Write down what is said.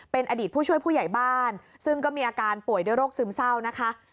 เป็นอดีตผู้ช่วยผู้ใหญ่บ้านซึ่งก็มีอาการป่วยด้วยโรคซึมเศร้านะคะ